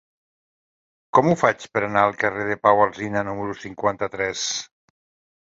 Com ho faig per anar al carrer de Pau Alsina número cinquanta-tres?